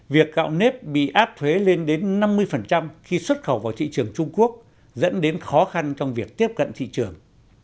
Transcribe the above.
việc gạo nếp bị áp thuế lên đến năm mươi khi xuất khẩu vào thị trường trung quốc dẫn đến khó khăn trong việc tiếp cận thị trường